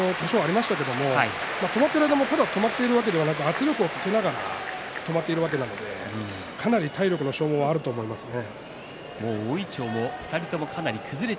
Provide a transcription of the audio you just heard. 止まってる時間も多少ありましたけれど止まったる間もただ止まっているのではなく圧力をかけながら止まっているわけなので、かなり体力の消耗があると思いますね。